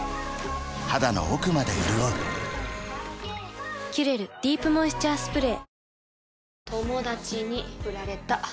肌の奥まで潤う「キュレルディープモイスチャースプレー」